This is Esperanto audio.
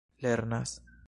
lernas